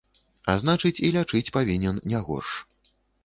А значыць, і лячыць павінен не горш.